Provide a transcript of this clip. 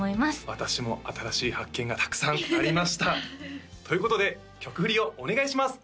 私も新しい発見がたくさんありましたということで曲振りをお願いします！